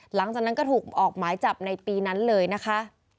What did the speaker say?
หลังจากนั้นก็ถูกออกหมายจับในปีนั้นเลยนะคะ